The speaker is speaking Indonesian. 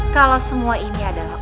kalau semua ini adalah